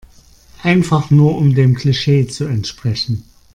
Einfach nur um dem Klischee zu entsprechen.